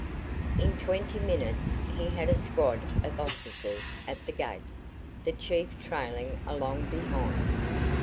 In twenty minutes he had a squad of officers at the gate, the chief trailing along behind.